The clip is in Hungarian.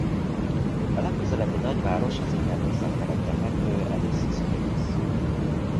A legközelebbi nagyváros az innen északkeletre fekvő Alice Springs.